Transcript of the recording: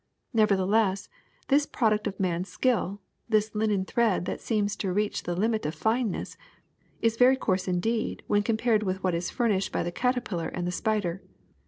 Never theless, this product of man's skill, this linen thread that seems to reach the limit of fineness, is very coarse indeed when compared with what is furnished by the caterpillar and the spider.